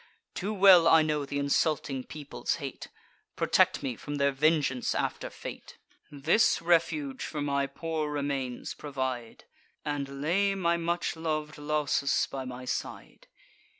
Too well I know th' insulting people's hate; Protect me from their vengeance after fate: This refuge for my poor remains provide, And lay my much lov'd Lausus by my side."